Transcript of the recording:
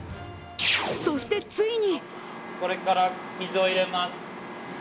そして、ついに！